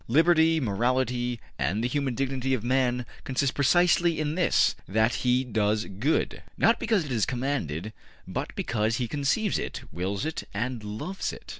Liberty, morality, and the human dignity of man consist precisely in this, that he does good, not because it is commanded, but because he conceives it, wills it and loves it.